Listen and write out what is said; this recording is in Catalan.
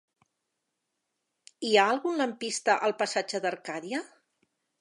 Hi ha algun lampista al passatge d'Arcadia?